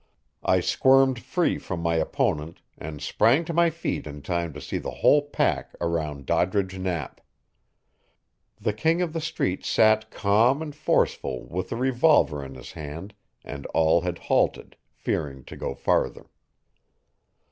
I squirmed free from my opponent, and sprang to my feet in time to see the whole pack around Doddridge Knapp. The King of the Street sat calm and forceful with a revolver in his hand, and all had halted, fearing to go farther.